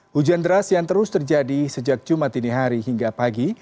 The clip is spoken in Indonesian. hujan deras yang terus terjadi sejak jumat ini hari hingga pagi